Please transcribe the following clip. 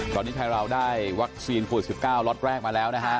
ตอนนี้ไทยราวได้วัคซีนโควิดสิบเก้าร็อตแรกมาแล้วนะคะ